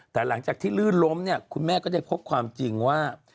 แต่หลังจากที่ลื่นล้มเนี่ยคุณแม่ก็ได้พบความจริงว่า